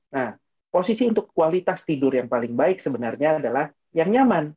nah posisi untuk kualitas tidur yang paling baik sebenarnya adalah yang nyaman